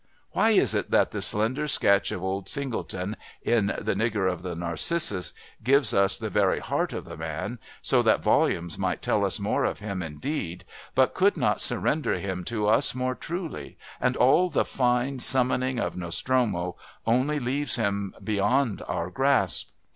Why is it that the slender sketch of old Singleton in The Nigger of the Narcissus gives us the very heart of the man, so that volumes might tell us more of him indeed, but could not surrender him to us more truly, and all the fine summoning of Nostromo only leaves him beyond our grasp?